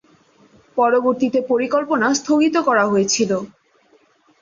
পরবর্তীতে পরিকল্পনা স্থগিত করা হয়েছিল।